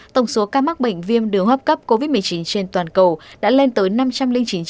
tổng số ca mắc bệnh viêm đường hấp cấp covid một mươi chín trên toàn cầu đã lên tới năm trăm linh chín bốn trăm sáu mươi ba tám mươi bảy ca